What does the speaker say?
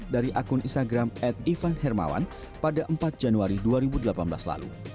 dari akun instagram ad ivan hermawan pada empat januari dua ribu delapan belas lalu